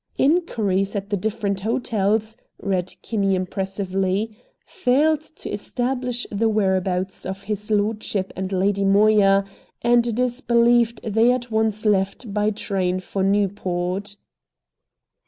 "'Inquiries at the different hotels,'" read Kinney impressively, "'failed to establish the whereabouts of his lordship and Lady Moya, and it is believed they at once left by train for Newport.